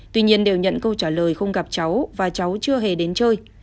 tuy nhiên đều nhận câu trả lời không gặp cháu và cháu chưa hề đến chơi